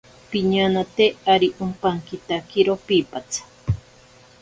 Piñanate ari ompankitakiro piipatsa.